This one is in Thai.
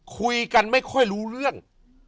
คุยกันไม่ค่อยรู้เรื่อง